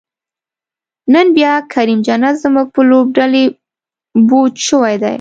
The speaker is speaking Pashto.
نن بیا کریم جنت زمونږ په لوبډلی بوج شوی دی